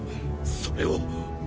それを。